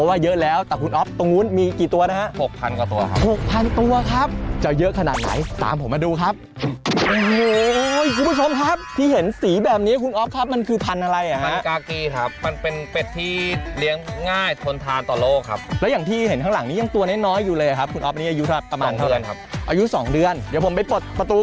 ๖๐๐๐กว่าตัวครับ๖๐๐๐ตัวครับจะเยอะขนาดไหนตามผมมาดูครับคุณผู้ชมครับที่เห็นสีแบบนี้คุณออฟครับมันคือพันธุ์อะไรครับมันกากีครับมันเป็นเป็ดที่เลี้ยงง่ายทนทานต่อโลกครับแล้วอย่างที่เห็นข้างหลังนี้ยังตัวน้อยอยู่เลยครับคุณออฟอันนี้อายุประมาณเท่าไร๒เดือนครับอายุ๒เดือนเดี๋ยวผมไปปลดประตู